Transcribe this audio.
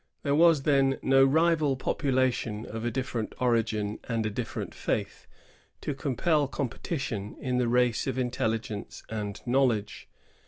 There was then no rival population, of a different origin and a different faith, to compel competition in the race of intelligence and knowledge.